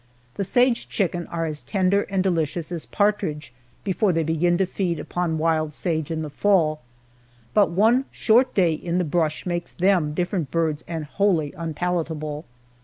The sage chicken are as tender and delicious as partridge before they begin to feed upon wild sage in the fall, but one short day in the brush makes them different birds and wholly unpalatable.